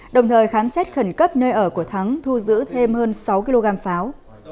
đồng thời khám xét khẩn cấp nơi ở của thắng thu giữ thêm hơn sáu kg pháo